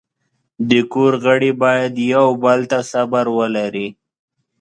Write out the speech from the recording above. د کور غړي باید یو بل ته صبر ولري.